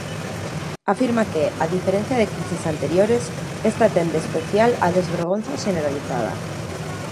Afirma que, a diferenza de crises anteriores, esta ten de especial a "desvergonza xeneralizada".